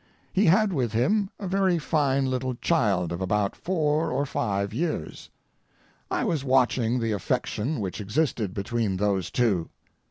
He had with him a very fine little child of about four or five years. I was watching the affection which existed between those two.